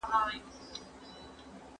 د هانمین ماشین د کتابونو پاڼې سره پرتله کوي.